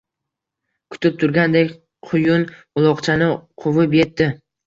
Kutib turgandek quyun uloqchani quvib yetdi